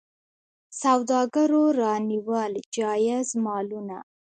سوداګرو رانیول جایز مالونه.